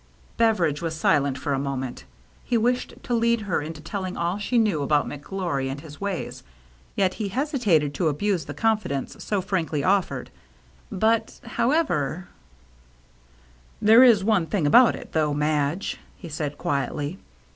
Beveridge was silent for a moment. He wished to lead her into telling all she knew about McGlory and his ways, yet he hesitated to abuse the confidence so frankly offered. But, however —" There is one thing about it, though, Madge," he said quietly.